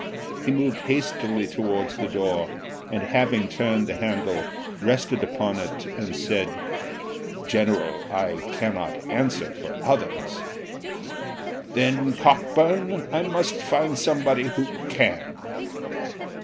He moved hastily towards the door, and having turned the handle, rested upon it and said, "general, I cannot answer for others." "Then, Cockburn, I must find somebody who can."